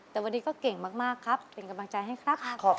แต่วันนี้ก็เก่งมากครับเป็นกำลังใจให้ครับ